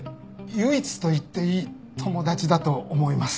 唯一と言っていい友達だと思います。